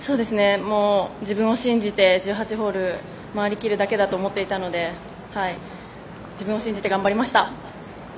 自分を信じて１８ホール回りきるだけだと思っていたので自分を信じて頑張りました。